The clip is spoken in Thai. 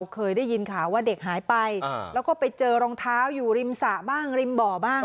เคยได้ยินข่าวว่าเด็กหายไปแล้วก็ไปเจอรองเท้าอยู่ริมสระบ้างริมบ่อบ้าง